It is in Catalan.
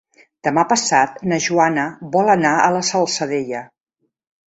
Demà passat na Joana vol anar a la Salzadella.